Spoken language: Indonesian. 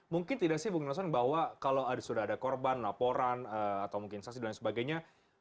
mungkin tidak sih bung noson bahwa kalau sudah ada korban laporan atau mungkin saksi dan lain sebagainya